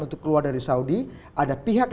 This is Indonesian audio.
untuk keluar dari saudi ada pihak